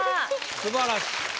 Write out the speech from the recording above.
素晴らしい。